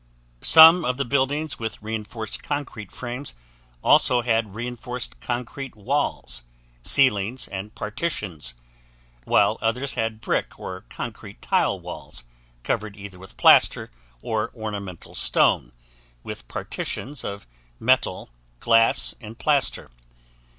Some of the buildings with reinforced concrete frames also had reinforced concrete walls, ceilings, and partitions, while others had brick or concrete tile walls covered either with plaster or ornamental stone, with partitions of metal, glass, and plaster.